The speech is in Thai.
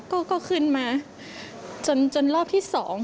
ก็มาจนรอบที่๒